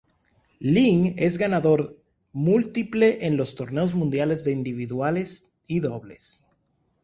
Lin es ganador múltiple en los torneos mundiales de individuales y dobles.